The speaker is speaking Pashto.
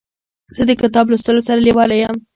زه د کتاب لوستلو سره لیواله یم.